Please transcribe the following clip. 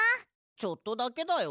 ちょっとだけだよ。